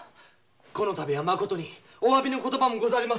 この度はまことにおわびの言葉もござりませぬ。